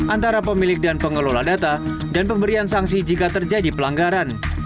antara pemilik dan pengelola data dan pemberian sanksi jika terjadi pelanggaran